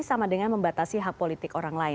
sama dengan membatasi hak politik orang lain